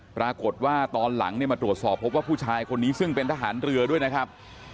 ปรากฏว่าตอนหลังเนี่ยมาตรวจสอบพบว่าผู้ชายคนนี้ซึ่งเป็นทหารเรือด้วยนะครับ